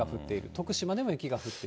徳島でも雪が降っている。